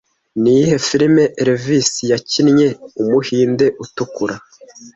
Ni iyihe filime Elvis yakinnye Umuhinde Utukura